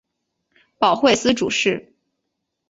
保惠司主事。